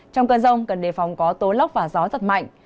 trong cơn rông cần đề phòng có tối lóc và gió giặt mạnh